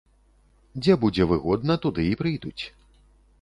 Дзе будзе выгодна туды і прыйдуць.